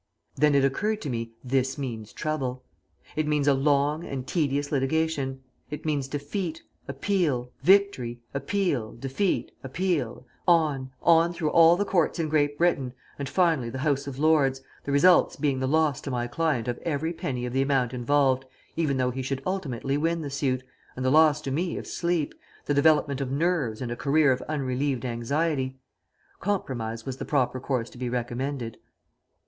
Then it occurred to me 'this means trouble.' It means a long and tedious litigation. It means defeat, appeal, victory, appeal, defeat, appeal, on, on through all the courts in Great Britain, and finally the House of Lords, the result being the loss to my client of every penny of the amount involved, even though he should ultimately win the suit, and the loss to me of sleep, the development of nerves and a career of unrelieved anxiety. Compromise was the proper course to be recommended."